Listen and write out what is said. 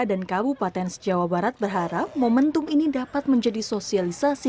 dan kabupaten sejauh barat berharap momentum ini dapat menjadi sosialisasi